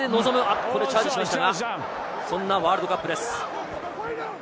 おっと、ここでチャージしましたが、そんなワールドカップです。